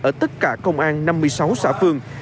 ở tất cả công an năm mươi sáu xã phương